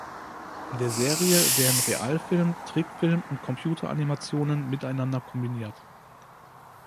In der Serie werden Realfilm, Trickfilm und Computeranimationen miteinander kombiniert.